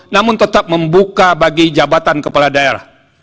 namun tetap membuka bagi jabatan kepala daerah